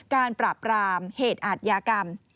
ปราบรามเหตุอาทยากรรม